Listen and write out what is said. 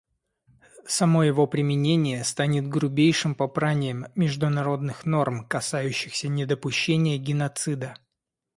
Само его применение станет грубейшим попранием международных норм, касающихся недопущения геноцида.